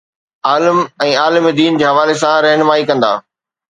عالم ۽ عالم دين جي حوالي سان رهنمائي ڪندا.